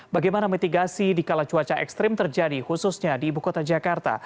bagaimana mitigasi di kala cuaca ekstrim terjadi khususnya di ibu kota jakarta